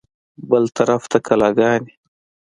بل طرف ته کلاګانې.